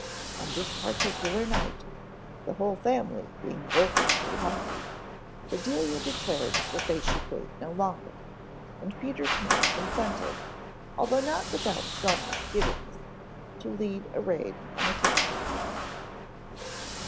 On this particular night, the whole family being wolfishly hungry, Bedelia declared that they should wait no longer, and Peter Pan consented, although not without some misgivings, to lead a raid on the kitchen.